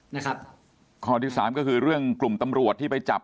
นะครับข้อที่สามก็คือเรื่องกลุ่มตำรวจที่ไปจับ